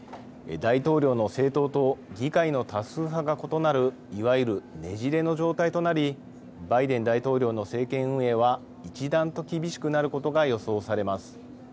大統領の政党と議会の多数派が異なるいわゆる、ねじれの状態となりバイデン大統領の政権運営は一段と厳しくなることが予想されます。